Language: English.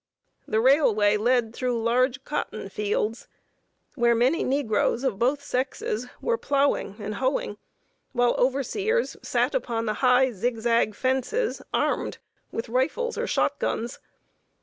The railway led through large cotton fields, where many negroes, of both sexes, were plowing and hoeing, while overseers sat upon the high, zig zag fences, armed with rifles or shot guns.